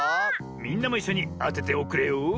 みんなもいっしょにあてておくれよ。